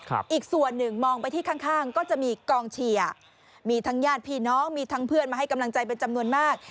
อีกส่วนหนึ่งมองไปที่ข้างข้างก็จะมีกองเชียร์มีทั้งญาติพี่น้องมีทั้งเพื่อนมาให้กำลังใจเป็นจำนวนมาก